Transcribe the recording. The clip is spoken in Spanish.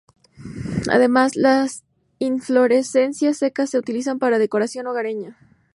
Además, las inflorescencias secas se utilizan para decoración hogareña.